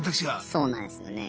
そうなんですよね。